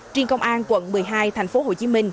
trên công an quận một mươi hai tp hcm